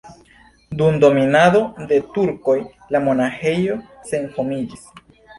Dum dominado de turkoj la monaĥejo senhomiĝis.